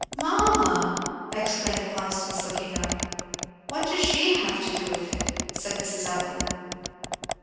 "Mamma!" exclaimed Constance looking up. "What does she have to do with it?" said Mrs. Evelyn.